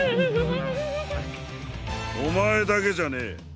おまえだけじゃねえ。